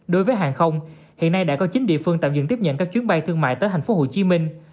đối với hàng không hiện nay đã có chín địa phương tạm dừng tiếp nhận các chuyến bay thương mại tới thành phố hồ chí minh